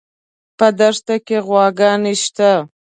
په دښته کې غواګانې شته